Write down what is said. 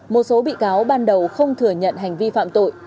một số bị cáo ban đầu không thừa nhận hành vi phạm tội